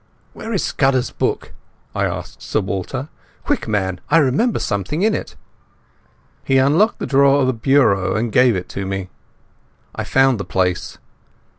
"Where is Scudder's book?" I cried to Sir Walter. "Quick, man, I remember something in it." He unlocked the door of a bureau and gave it to me. I found the place.